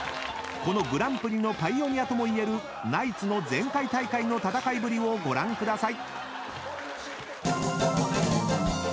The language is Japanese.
このＧＰのパイオニアとも言えるナイツの前回大会の戦いぶりをご覧ください］